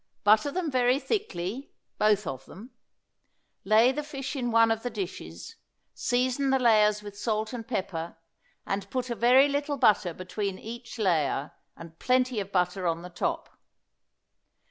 Butter them very thickly, both of them. Lay the fish in one of the dishes, season the layers with salt and pepper, and put a very little butter between each layer, and plenty of butter on the top.